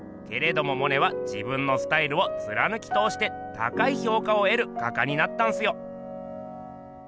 けれどもモネは自分のスタイルをつらぬきとおして高い評価をえる画家になったんすよ。